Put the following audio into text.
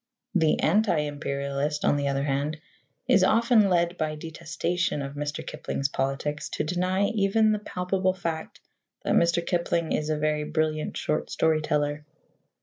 The anti Imperialist, on the other hand, is often led by detestation of Mr. Kipling's politics to deny even the palpable fact that Mr. Kipling is a very brilliant short story teller.